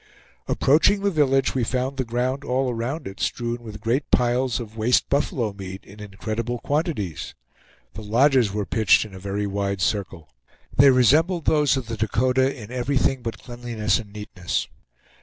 Approaching the village, we found the ground all around it strewn with great piles of waste buffalo meat in incredible quantities. The lodges were pitched in a very wide circle. They resembled those of the Dakota in everything but cleanliness and neatness.